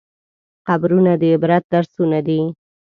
قبرونه د عبرت درسونه دي.